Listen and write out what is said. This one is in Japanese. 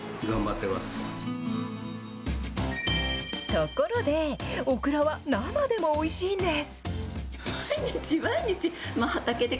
ところで、オクラは生でもおいしいんです。